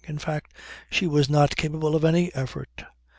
In fact, she was not capable of any effort.